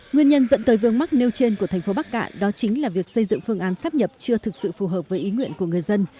nguyên nhân dẫn tới vương mắc nêu trên của thành phố bắc cạn đó chính là việc xây dựng phương án sắp nhập chưa thực sự phù hợp với ý nguyện của người dân